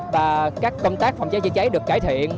và các công tác phòng chơi chơi cháy được cải thiện